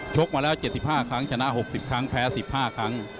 กมาแล้ว๗๕ครั้งชนะ๖๐ครั้งแพ้๑๕ครั้ง